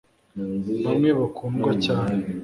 Bamwe bakundwa cyane